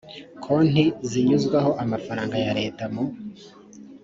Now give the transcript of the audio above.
konti zinyuzwaho amafaranga ya leta mu